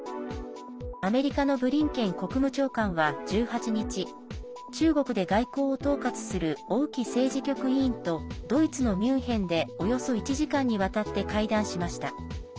アメリカのブリンケン国務長官は１８日中国で外交を統括する王毅政治局委員とドイツのミュンヘンでおよそ１時間にわたって会談しました。